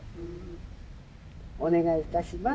お願いいたします。